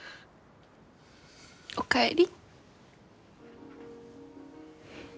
おかえり。